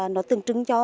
nó tương trứng cho